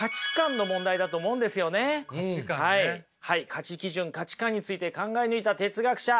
価値基準価値観について考え抜いた哲学者